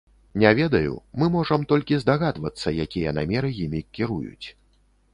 Не ведаю, мы можам толькі здагадвацца, якія намеры імі кіруюць.